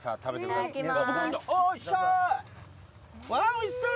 おいしそう！